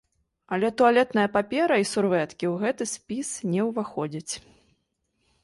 Але туалетная папера і сурвэткі ў гэты спіс не ўваходзяць.